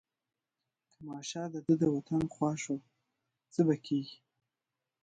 که ماشه د ده د وطن خوا شوه څه به کېږي.